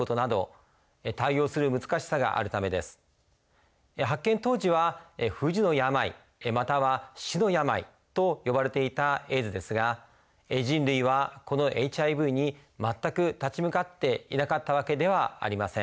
これは発見当時は不治の病または死の病と呼ばれていたＡＩＤＳですが人類はこのＨＩＶに全く立ち向かっていなかったわけではありません。